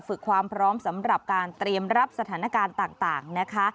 ฝึกความพร้อมสำหรับการเตรียมรับสถานการณ์ต่างนะคะ